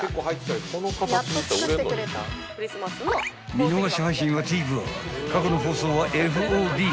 ［見逃し配信はＴＶｅｒ過去の放送はＦＯＤで］